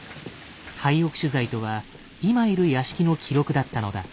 「廃屋取材」とは今いる屋敷の記録だったのだ。